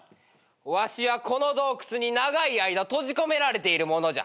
わしはこの洞窟に長い間閉じ込められている者じゃ。